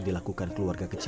melepaskan say agency